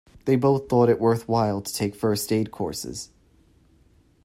They both thought it worthwhile to take first aid courses.